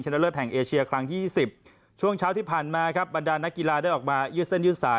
หรือว่าประมาณ๙๐๐๐๐๐บาท